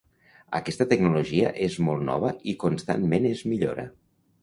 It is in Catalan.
Aquesta tecnologia és molt nova i constantment es millora.